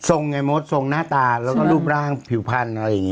ไงมดทรงหน้าตาแล้วก็รูปร่างผิวพันธุ์อะไรอย่างนี้